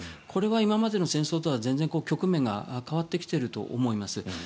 これは今までの戦争とは全然、局面が変わってきていると思います。